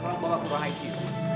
jangan meng flashing